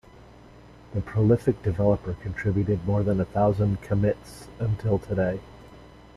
The prolific developer contributed more than a thousand commits until today.